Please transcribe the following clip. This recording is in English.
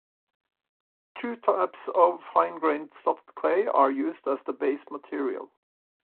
Two types of fine-grained soft clay are used as the base material.